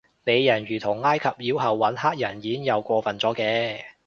美人魚同埃及妖后搵黑人演又過份咗嘅